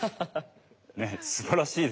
すばらしいですね。